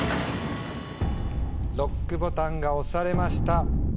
ＬＯＣＫボタンが押されました。